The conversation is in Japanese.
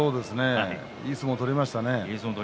いい相撲を取りましたね。